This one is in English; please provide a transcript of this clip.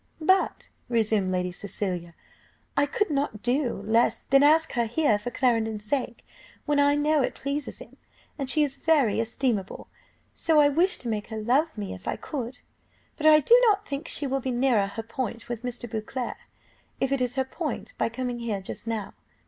"But," resumed Lady Cecilia, "I could not do less than ask her here for Clarendon's sake, when I know it pleases him; and she is very estimable, and so I wish to make her love me if I could! But I do not think she will be nearer her point with Mr. Beauclerc, if it is her point, by coming here just now.